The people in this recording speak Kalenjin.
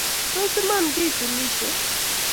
Tos iman kituunishe